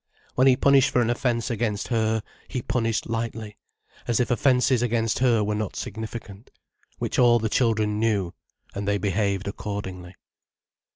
When he punished for an offence against her, he punished lightly, as if offences against her were not significant. Which all the children knew, and they behaved accordingly.